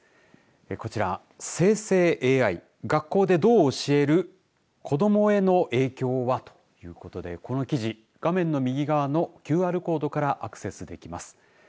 こちら生成ＡＩ学校でどう教える子どもへの影響はということでこの記事には画面の右側のＱＲコードからアクセスできます。